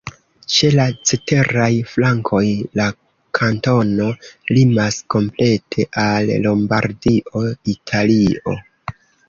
Ĉe la ceteraj flankoj la kantono limas komplete al Lombardio, Italio.